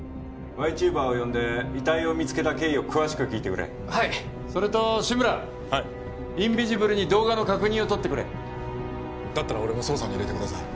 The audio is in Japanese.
チューバーを呼んで遺体を見つけた経緯を詳しく聞いてくれはいそれと志村はいインビジブルに動画の確認をとってくれだったら俺も捜査に入れてください